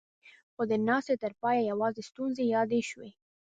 خو د ناستې تر پايه يواځې ستونزې يادې شوې.